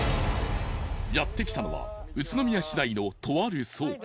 やってきたのは宇都宮市内のとある倉庫。